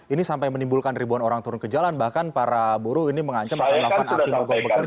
ini sampai menimbulkan ribuan orang turun ke jalan bahkan para buruh ini mengancam akan melakukan aksi mogok bekerja